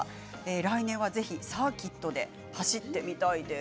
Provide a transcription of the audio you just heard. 来年はぜひサーキットで走ってみたいです。